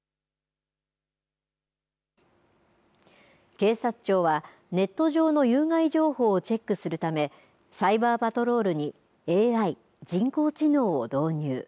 警察庁はネット上の有害情報をチェックするためサイバーパトロールにＡＩ、人工知能を導入。